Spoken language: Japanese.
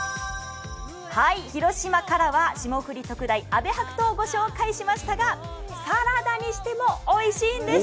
広島からは霜降り特大、阿部白桃をご紹介しましたがサラダにしてもおいしいんです。